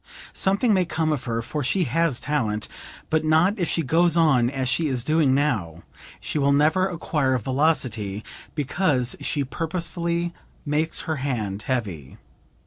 Something may come of her for she has talent, but not if she goes on as she is doing now; she will never acquire velocity because she purposely makes her hand heavy.